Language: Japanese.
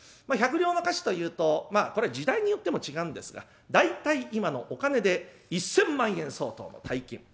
まあ１００両の価値というとまあこれ時代によっても違うんですが大体今のお金で１，０００万円相当の大金。